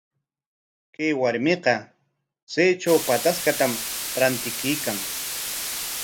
Chay warmiqa chaytraw pataskatam rantikuykan.